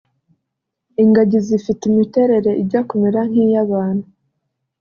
Ingagi zifite imiterere ijya kumera nk’iy’abantu